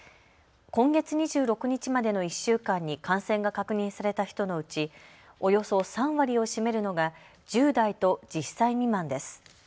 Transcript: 今月２６日までの１週間に感染が確認された人のうちおよそ３割を占めるのが１０代と１０歳未満です。